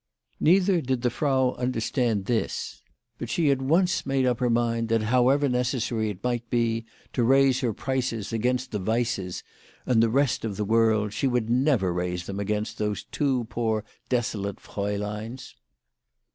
Neither did the Frau understand this ; but she at once made up her mind that, however necessary it might be 88 WHY FRAU FROHMANN RAISED HER PRICES. to raise her prices against the Weisses and the rest of the world, she would never raise them against those two poor desolate frauleins.